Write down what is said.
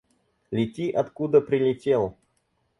Лети откуда прилетел!